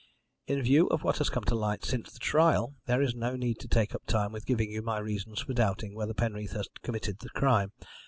In view of what has come to light since the trial, there is no need to take up time with giving you my reasons for doubting whether Penreath had committed the crime.